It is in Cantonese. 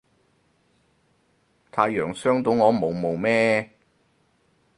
太陽傷到我毛毛咩